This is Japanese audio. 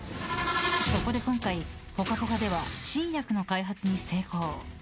そこで今回「ぽかぽか」では新薬の開発に成功！